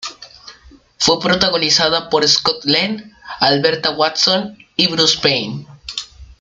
Fue protagonizada por Scott Glenn, Alberta Watson y Bruce Payne.